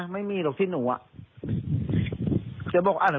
ไม่มีหลอกที่หนูอ่ะเดี๋ยวบอกอ้าวเหรอ